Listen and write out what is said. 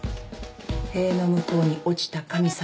塀の向こうに落ちた神様。